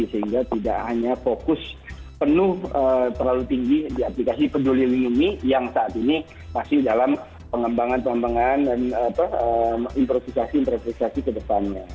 sehingga tidak hanya fokus penuh terlalu tinggi di aplikasi peduli lindungi yang saat ini masih dalam pengembangan pengembangan dan improvisasi improvisasi ke depannya